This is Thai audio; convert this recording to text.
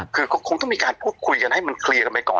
คือก็คงต้องมีการพูดคุยกันให้มันเคลียร์กันไปก่อน